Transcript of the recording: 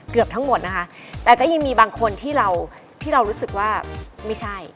เกือบทั้งหมดนะคะแต่ก็ยังมีบางคนที่เราที่เรารู้สึกว่าไม่ใช่